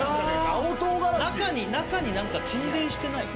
青唐辛子中に何か沈殿してない？